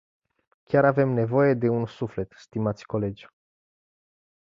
Chiar avem nevoie de un suflet, stimați colegi.